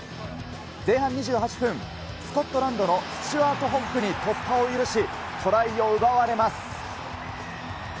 前半２８分、スコットランドのスチュアート・ホッグに突破を許し、トライを奪われます。